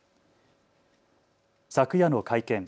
昨夜の会見。